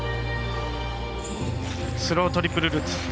スロートリプルルッツ。